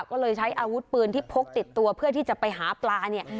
ก็เลยใช้อาวุธปืนที่พกติดตัวเพื่อที่จะไปหาปลาเนี่ย